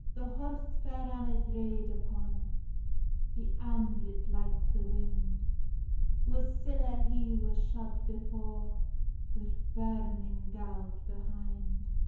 The horse Fair Annet rade upon, He amblit like the wind; Wi siller he was shod before, Wi burning gowd behind.